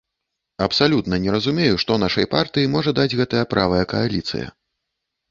Абсалютна не разумею, што нашай партыі можа даць гэтая правая кааліцыя.